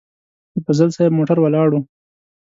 د فضل صاحب موټر ولاړ و.